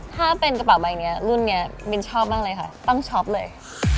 ถ้าเป็นกระเป๋าใบนี้รุ่นนี้มินชอบมากเลยค่ะต้องช็อปเลย